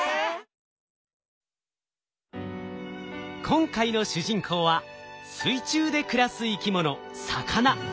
今回の主人公は水中で暮らす生き物魚。